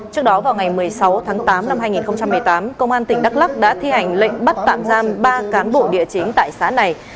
trước đó vào ngày một mươi sáu tháng tám năm hai nghìn một mươi tám công an tỉnh đắk lắc đã thi hành lệnh bắt tạm giam ba cán bộ địa chính tại xã này